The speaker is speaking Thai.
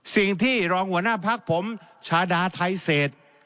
สิ่งที่รองหัวหน้าพักผมชาดาไทเศษ